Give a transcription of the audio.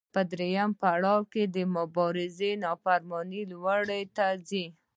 په درېیم پړاو کې مبارزه د نافرمانۍ لور ته ځي.